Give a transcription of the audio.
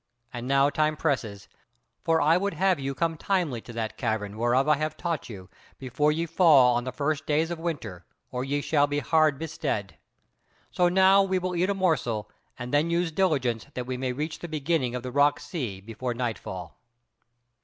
And now time presses; for I would have you come timely to that cavern, whereof I have taught you, before ye fall on the first days of winter, or ye shall be hard bestead. So now we will eat a morsel, and then use diligence that we may reach the beginning of the rock sea before nightfall."